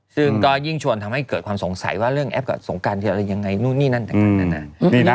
ซึ่งก็ยิ่งชวนทำให้เกิดความสงสัยว่าเรื่องแอปกับสงการจะอะไรยังไงนู่นนี่นั่นต่างนานา